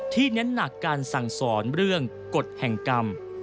เน้นหนักการสั่งสอนเรื่องกฎแห่งกรรม